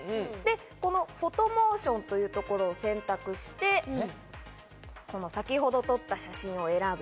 このフォトモーションというところを選択して、先ほど撮った写真を選ぶ。